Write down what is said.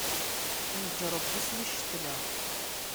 Tneǧǧreḍ-d iswi i ccetla.